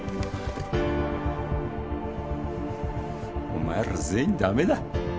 お前ら全員だめだ。